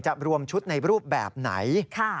รวมชุดในรูปแบบไหน